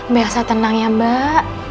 biasa tenang ya mbak